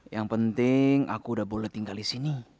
yang penting aku udah boleh tinggal disini